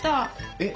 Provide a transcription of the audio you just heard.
えっ？